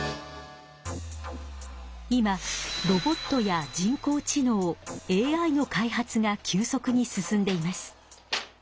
今ロボットや人工知能ＡＩの開発が急速に進んでいます。